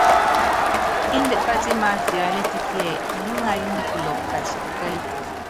Índɛ pátimáfiálítɛ kíɛ, muúŋayɔ́ nyi kulɔpɔ kati kukálitɛ.